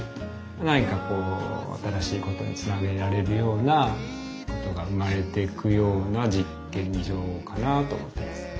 何かこう新しいことにつなげられるようなことが生まれていくような実験場かなと思ってます。